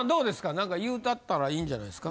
なんか言うたったらいいんじゃないですか？